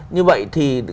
như vậy thì